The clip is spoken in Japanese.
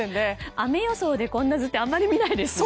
雨予想でこんな図ってあんまり見ないですね。